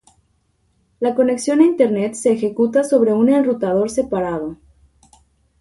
la conexión a Internet se ejecuta sobre un enrutador separado,